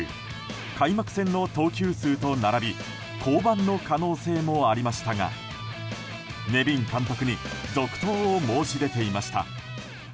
開幕戦の投球数と並び降板の可能性もありましたがネビン監督に続投を申し出ていました。